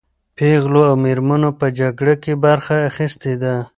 پېغلو او مېرمنو په جګړه کې برخه اخیستې ده.